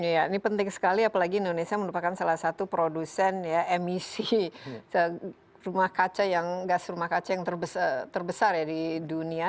ya ini penting sekali apalagi indonesia merupakan salah satu produsen ya emisi gas rumah kaca yang terbesar ya di dunia